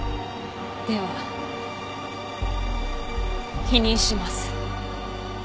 では否認します。